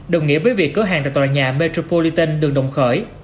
đồng nghĩa với việc cửa hàng tại tòa nhà metropolitan được đồng khởi